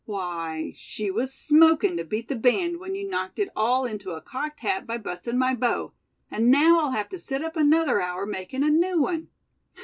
Why, she was smokin' to beat the band when you knocked it all into a cocked hat by bustin' my bow; an' now I'll have to sit up another hour makin' a new one.